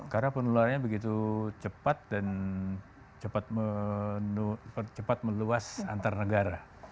karena penularannya begitu cepat dan cepat meluas antar negara